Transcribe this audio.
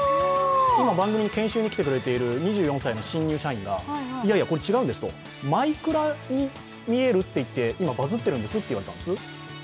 今、番組に研修に来てくれている２４歳の新入社員がいやいや、これ、違うんですと、マイクラに見えるっていって、今バズッているんですって。